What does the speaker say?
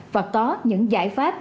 và có những giải pháp